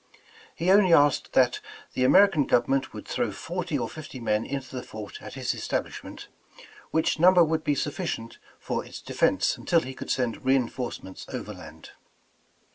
He only asked that ''the American government would throw forty or fifty men into the fort at his es tablishment, which number would be sufficient for its defense until he could send reinforcements overland."